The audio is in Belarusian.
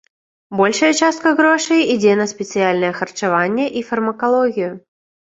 Большая частка грошай ідзе на спецыяльнае харчаванне і фармакалогію.